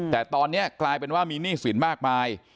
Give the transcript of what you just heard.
แต่ตอนนี้กลายเป็นว่ามีหนี้สินมากมาย